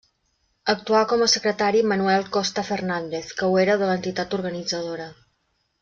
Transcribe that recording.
Actuà com a secretari Manuel Costa Fernández que ho era de l'entitat organitzadora.